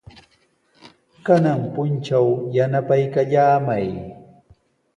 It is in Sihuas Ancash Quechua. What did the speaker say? Kanan puntraw yanapaykallamay.